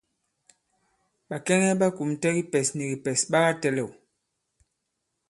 Bàkɛŋɛ ɓa kùmtɛ kipɛs ni kìpɛ̀s ɓa katɛ̄lɛ̂w.